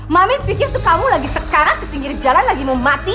mami pikir tuh kamu lagi sekarat di pinggir jalan lagi mau mati